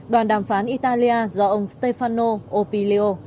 đoàn đàm phán italia do ông stefano opilio